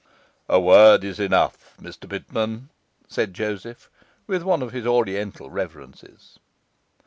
'A word is enough, Mr Pitman,' said Joseph, with one of his Oriental reverences.